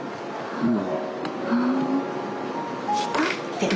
うん。